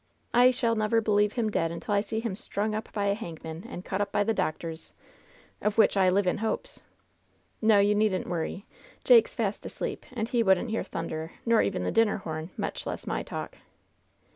I shall never believe him dead until I see him strung up by a hangman and cut up by the doctors — of which I live in hopes! No, you needn't worry. Jake's fast asleep, and he wouldn't hear thunder, nor even the din ner horn, much less my talk